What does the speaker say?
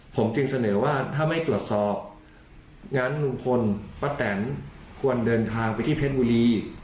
ผมจึงเสนอว่าถ้าไม่ตรวจสอบงั้นลุงพลป้าแตนควรเดินทางไปที่เพชรบุรี